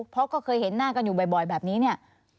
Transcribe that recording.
เพราะก็เคยเห็นหน้ากันอยู่บ่อยแบบนี้เนี่ย